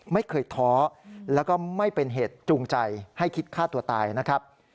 ไม่เคยท้อแล้วก็ไม่เป็นเหตุจูงใจให้คิดฆ่าตัวตายนะครับ